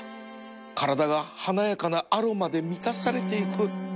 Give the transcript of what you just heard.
体が華やかなアロマで満たされていく